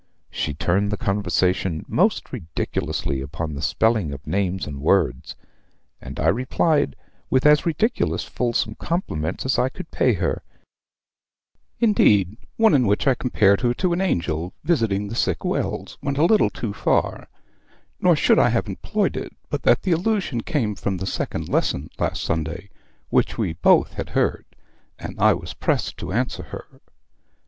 She turned the conversation most ridiculously upon the spelling of names and words; and I replied with as ridiculous fulsome compliments as I could pay her: indeed, one in which I compared her to an angel visiting the sick wells, went a little too far; nor should I have employed it, but that the allusion came from the Second Lesson last Sunday, which we both had heard, and I was pressed to answer her.